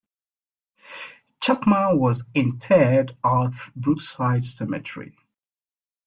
Chapman was interred at Brookside Cemetery.